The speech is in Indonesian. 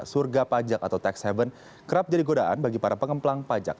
surga pajak atau tax haven kerap jadi godaan bagi para pengemplang pajak